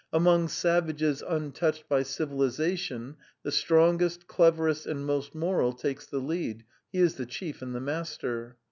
Among savages untouched by civilisation the strongest, cleverest, and most moral takes the lead; he is the chief and the master.